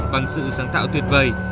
bằng sự sáng tạo tuyệt vời